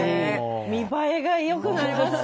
見栄えがよくなりますね。